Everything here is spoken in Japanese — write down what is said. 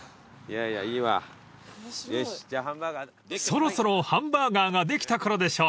［そろそろハンバーガーができたころでしょうか］